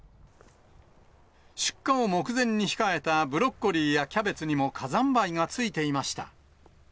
出荷を目前に控えたブロッコリーやキャベツにも火山灰が付いていました。